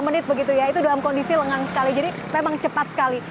dua puluh menit begitu ya itu dalam kondisi lengang sekali jadi memang cepat sekali